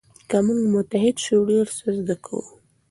که موږ متحد سو ډېر څه زده کوو.